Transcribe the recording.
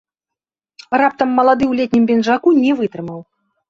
Раптам малады ў летнім пінжаку не вытрымаў.